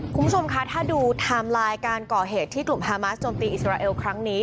คุณผู้ชมคะถ้าดูไทม์ไลน์การก่อเหตุที่กลุ่มฮามาสจมตีอิสราเอลครั้งนี้